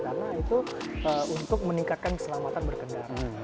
karena itu untuk meningkatkan keselamatan berkendara